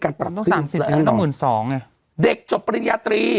การปรับต้องสามสิบต้องหมื่นสองไงเด็กจบปริญญาตรี